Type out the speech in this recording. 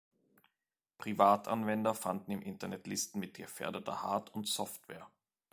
Privatanwender fanden im Internet Listen mit gefährdeter Hard- und Software.